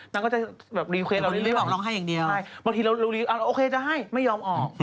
นั่นก็จะรีเครสเราได้ดีกว่าใช่บางทีเราโอเคจะให้ไม่ยอมออก